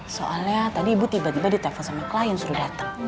soalnya tadi ibu tiba tiba ditelepon sama klien sudah datang